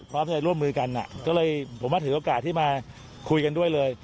ความมั่นที่ร่วมมือกันด้วยผมถือโอกาสที่มาคุยกันด้วยเลย